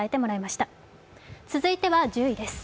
続いては１０位です。